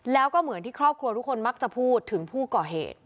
แล้วก็เหมือนที่ครอบครัวทุกคนมักจะพูดถึงผู้ก่อเหตุ